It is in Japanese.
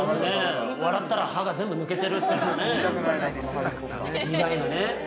◆笑ったら、歯が全部抜けているみたいなね。